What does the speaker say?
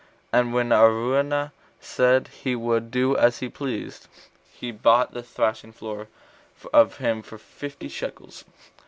And when Araunah said he would do as he pleased, he bought the thrashing floor of him for fifty shekels.